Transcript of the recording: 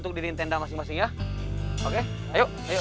tuh dibilangin jangan gerasak gerusuk